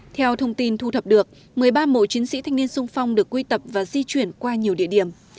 theo thông tin thu thập được một mươi ba mộ chiến sĩ thanh niên sung phong được quy tập và di chuyển qua nhiều địa điểm